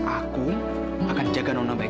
aku akan jaga nona baik